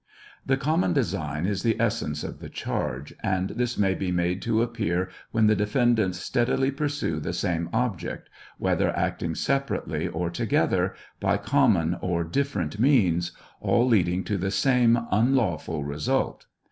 The common design is the essence of the charge, and this may be made to appear when the defendants steadily pursue the same object, whether acting separately or together, by com mon or different means, all leading to the same unlawful result.